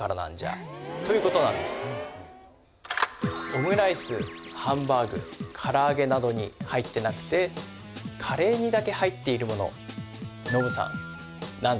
オムライスハンバーグ唐揚げなどに入ってなくてカレーにだけ入っているものえっえっ何何何？